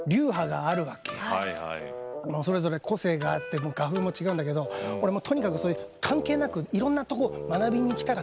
それぞれ個性があって画風も違うんだけど俺もうとにかくそういう関係なくいろんなとこ学びに行きたかったから。